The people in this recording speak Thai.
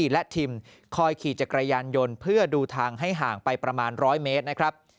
และทิมคอยขี่จักรยานยนต์เพื่อดูทางให้ห่างไปประมาณ๑๐๐เมตรนะครับ